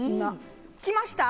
きました？